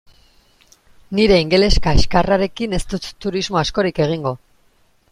Nire ingeles kaxkarrarekin ez dut turismo askorik egingo.